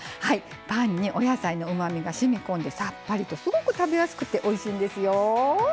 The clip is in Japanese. パンにお野菜のうまみがしみ込んでさっぱりとすごく食べやすくておいしいんですよ。